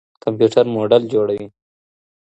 کمپيوټر موډل جوړوي.